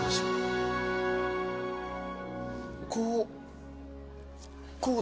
こうこうで。